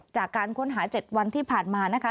จากการค้นหา๗วันที่ผ่านมานะคะ